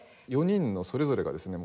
４人のそれぞれがですね